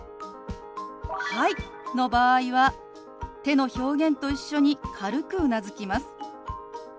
「はい」の場合は手の表現と一緒に軽くうなずきます。